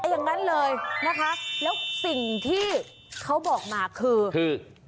อย่างนั้นเลยนะคะแล้วสิ่งที่เขาบอกมาคือคือ